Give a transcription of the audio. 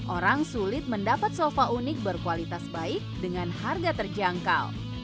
orang sulit mendapat sofa unik berkualitas baik dengan harga terjangkau